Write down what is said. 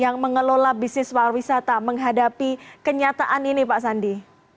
yang mengelola bisnis pariwisata menghadapi kenyataan ini pak sandi